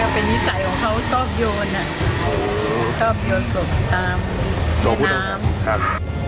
เป็นอิสัยของเขาทอบโยนทอบโยนกลมตาม